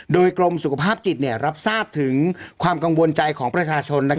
โดยกรมสุขภาพจิตรับทราบถึงความกังวลใจของประชาชน